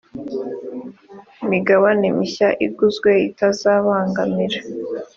migabane mishya iguzwe itazabangamira